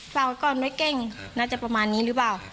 เราก่อนไม่เก้งน่าจะประมาณนี้หรือเปล่า